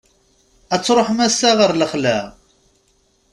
Ad truḥem ass-a ɣer lexla?